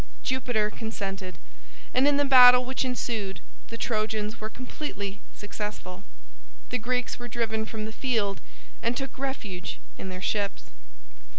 Jupiter consented, and in the battle which ensued the Trojans were completely successful. The Greeks were driven from the field and took refuge in their ships.